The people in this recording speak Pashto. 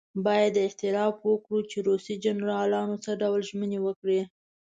باید اعتراف وکړو چې روسي جنرالانو څه ډول ژمنې وکړې.